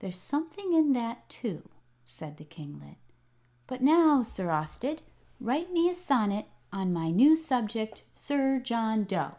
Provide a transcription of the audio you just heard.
"There's something in that, too," said the kinglet. "But now, Sir Austed, write me a sonnet on my new subject, Sir John Dough."